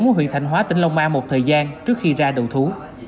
với huyện thành hóa tỉnh lông an một thời gian trước khi ra đầu thú